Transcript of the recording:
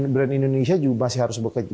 brand indonesia juga masih harus bekerja